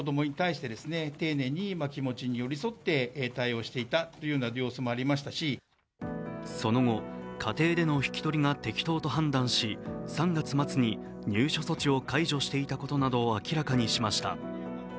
しかしその後、家庭での引き取りが適当と判断し、３月末に入所措置を解除していたことなどを明らかにしました。